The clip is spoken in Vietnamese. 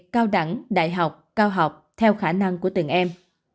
cao đẳng đại học cao học theo khả năng của từng em